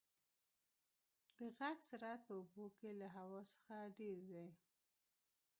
د غږ سرعت په اوبو کې له هوا څخه ډېر دی.